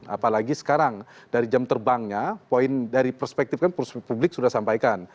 apalagi sekarang dari jam terbangnya poin dari perspektif kan publik sudah sampaikan